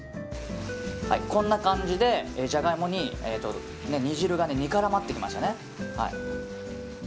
こんな感じでジャガイモに煮汁が煮絡まってきましたね。